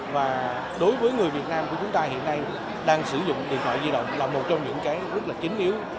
và đối với người việt nam của chúng ta hiện nay đang sử dụng điện thoại di động là một trong những cái rất là chính yếu